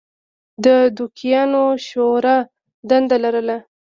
د دوکیانو شورا دنده لرله.